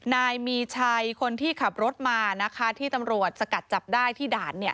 นายมีชัยคนที่ขับรถมานะคะที่ตำรวจสกัดจับได้ที่ด่าน